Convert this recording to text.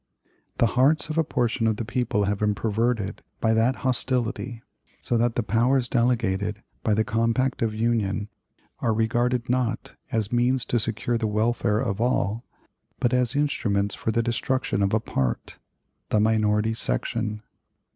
The hearts of a portion of the people have been perverted by that hostility, so that the powers delegated by the compact of union are regarded not as means to secure the welfare of all, but as instruments for the destruction of a part the minority section.